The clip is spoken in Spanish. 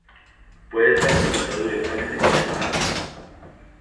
Puede estar comunicado directamente con el mar o no.